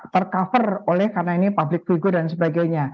tercover oleh karena ini public figure dan sebagainya